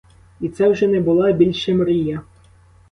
І це вже не була більше мрія.